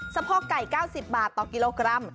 พ่อไก่๙๐บาทต่อกิโลกรัม